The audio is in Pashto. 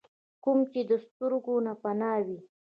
کوم چې د سترګو نه پناه وي ۔